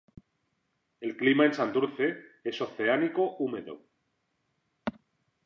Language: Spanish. El clima en Santurce es oceánico húmedo.